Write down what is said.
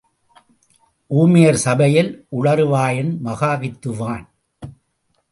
ஊமையர் சபையில் உளறு வாயன் மகாவித்துவான்.